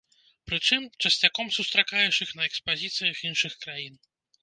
Прычым, часцяком сустракаеш іх на экспазіцыях іншых краін.